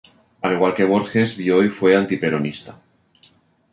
Al igual que Borges, Bioy fue antiperonista.